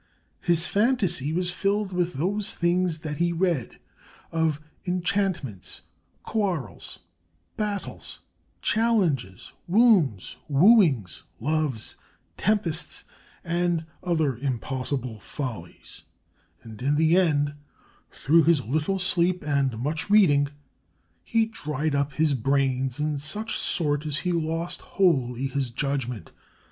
"His fantasy was filled with those things that he read, of enchantments, quarrels, battles, challenges, wounds, wooings, loves, tempests, and other impossible follies," and in the end, "through his little sleep and much reading, he dried up his brains in such sort as he lost wholly his judgment."